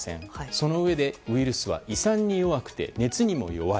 そのうえでウイルスは胃酸に弱くて熱にも弱い。